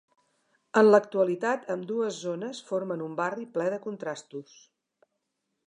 En l'actualitat ambdues zones formen un barri ple de contrastos.